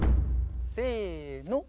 せの。